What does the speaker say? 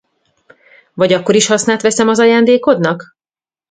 Vagy akkor is hasznát veszem az ajándékodnak?